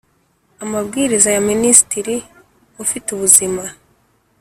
Amabwiriza ya Minisitiri ufite ubuzima